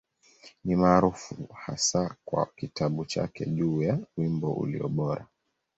Ni maarufu hasa kwa kitabu chake juu ya Wimbo Ulio Bora.